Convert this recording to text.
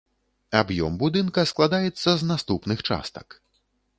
Аб'ём будынка складаецца з наступных частак.